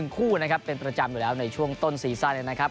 คู่นะครับเป็นประจำอยู่แล้วในช่วงต้นซีซั่นเลยนะครับ